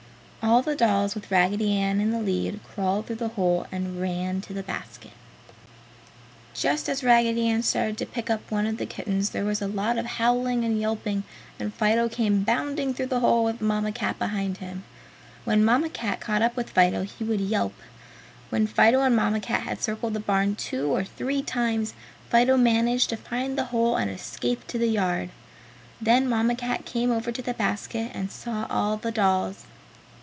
All the dolls, with Raggedy Ann in the lead, crawled through the hole and ran to the basket. Just as Raggedy Ann started to pick up one of the kittens there was a lot of howling and yelping and Fido came bounding through the hole with Mamma Cat behind him. When Mamma Cat caught up with Fido he would yelp. When Fido and Mamma Cat had circled the barn two or three times Fido managed to find the hole and escape to the yard; then Mamma Cat came over to the basket and saw all the dolls.